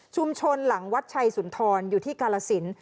หลังวัดชัยสุนทรอยู่ที่กาลสิน